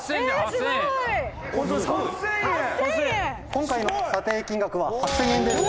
「今回の査定金額は８０００円です」